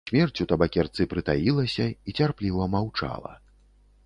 Смерць у табакерцы прытаілася і цярпліва маўчала.